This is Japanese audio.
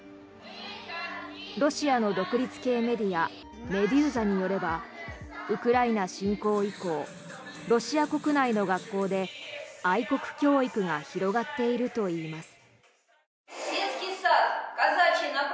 ロシアの独立系メディアメデューザによればウクライナ侵攻以降ロシア国内の学校で愛国教育が広がっているといいます。